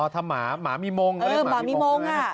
ถ้าหมามีมงก็ได้หมามีมง